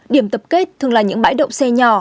điểm tập kết thường là những bãi đậu xe nhỏ